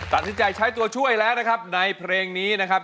ตัดสินใจใช้ตัวช่วยแล้วนะครับในเพลงนี้นะครับ